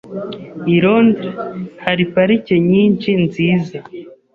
I Londres hari parike nyinshi nziza.